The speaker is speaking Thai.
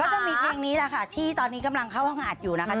จะมีเพลงนี้แหละค่ะที่ตอนนี้กำลังเข้าห้องอัดอยู่นะคะ